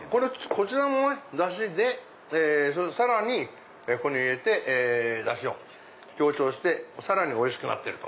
こちらもダシでさらにここに入れてダシを強調してさらにおいしくなってると。